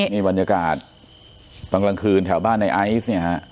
นี่วันยากาศตอนกลางคืนแถวบ้านในไอซ์